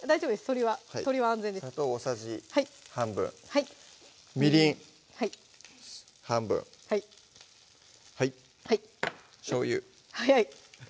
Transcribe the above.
鶏は鶏は安全です砂糖大さじ半分みりん半分はいしょうゆ早い！